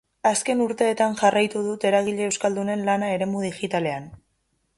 Azken urteetan jarraitu dut eragile euskaldunen lana eremu digitalean.